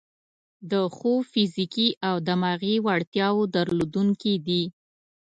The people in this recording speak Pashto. د ښو فزیکي او دماغي وړتیاوو درلودونکي دي.